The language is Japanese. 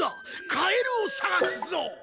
カエルをさがすぞ！